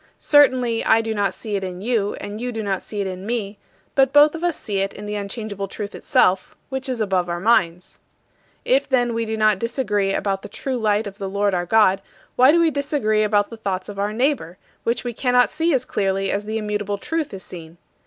Certainly, I do not see it in you, and you do not see it in me, but both of us see it in the unchangeable truth itself, which is above our minds." If, then, we do not disagree about the true light of the Lord our God, why do we disagree about the thoughts of our neighbor, which we cannot see as clearly as the immutable Truth is seen?